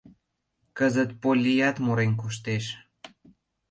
Кызыт Полият мурен коштеш: